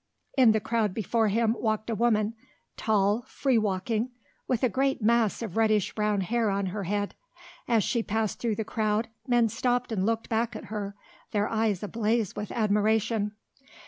In the crowd before him walked a woman tall, freewalking, with a great mass of reddish brown hair on her head. As she passed through the crowd men stopped and looked back at her, their eyes ablaze with admiration.